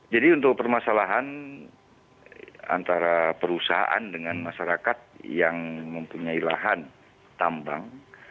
jadi untuk permasalahan antara perusahaan dengan masyarakat yang mempunyai lahan tambang